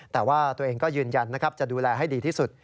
แต่ว่าตัวเองก็ยืนยันนะครับจะดูแลให้ดีที่สุด